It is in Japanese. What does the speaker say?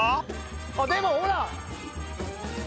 でもほら！